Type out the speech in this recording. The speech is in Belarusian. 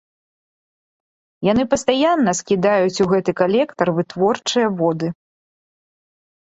Яны пастаянна скідаюць у гэты калектар вытворчыя воды.